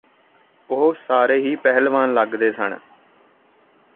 ਉਹ ਸਾਰੇ ਹੀ ਪਹਿਲਵਾਨ ਲੱਗਦੇ ਸਨ